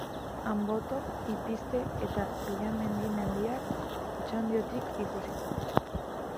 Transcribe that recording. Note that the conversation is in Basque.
Anboto, Ipizte eta Tellamendi mendiak, Otxandiotik ikusita.